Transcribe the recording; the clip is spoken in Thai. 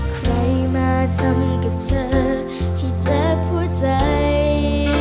ใครมาทำกับเธอให้เจอหัวใจ